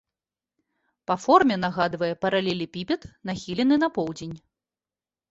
Па форме нагадвае паралелепіпед, нахілены на поўдзень.